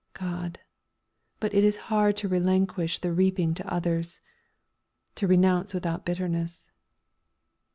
God! but it is hard to relinquish the reaping to others! "To renounce without bitterness!"